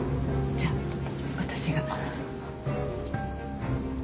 じゃ私が。